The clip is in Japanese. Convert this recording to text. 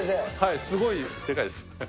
すごいでかいです。